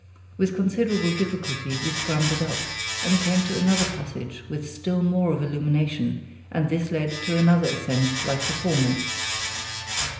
With considerable difficulty we scrambled up, and came to another passage with still more of illumination, and this led to another ascent like the former.